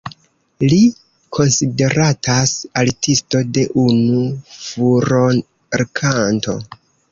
Li konsideratas Artisto de unu furorkanto.